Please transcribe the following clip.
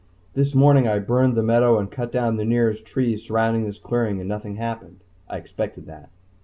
This morning I burned the meadow and cut down the nearest trees surrounding this clearing and nothing happened. I expected that.